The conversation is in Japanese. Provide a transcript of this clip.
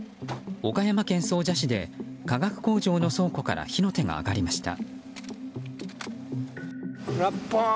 岡山県総社市で化学工場の倉庫から火の手が上がりました。